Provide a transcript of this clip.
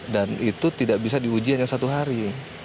dan itu tidak bisa diuji hanya satu hari